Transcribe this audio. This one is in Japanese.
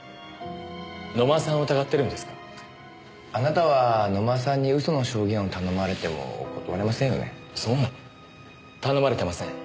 あなたは野間さんに嘘の証言を頼まれても断れませんよね？